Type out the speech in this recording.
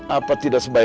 apa tidak sebaiknya